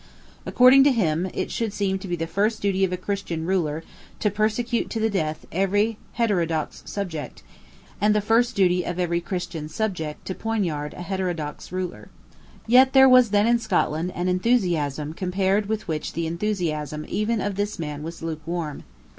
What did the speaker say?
According to him, it should seem to be the first duty of a Christian ruler to persecute to the death every heterodox subject, and the first duty of every Christian subject to poniard a heterodox ruler. Yet there was then in Scotland an enthusiasm compared with which the enthusiasm even of this man was lukewarm.